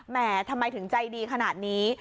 ทำไมถึงใจดีขนาดนี้